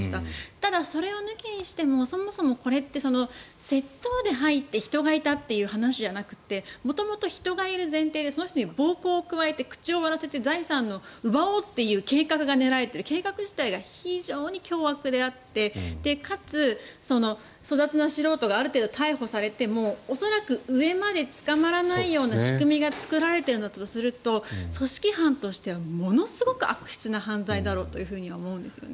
ただ、それを抜きにしてもそもそもこれって窃盗で入って人がいたという話じゃなくて元々、人がいる前提でその人に暴行を加えて口を割らせて財産を奪おうという計画が練られている計画自体が非常に凶悪であってかつ、粗雑な素人が逮捕されても恐らく上まで捕まらないような仕組みが作られているんだとすると組織犯としてはものすごく悪質な犯罪だろうと思うんですね。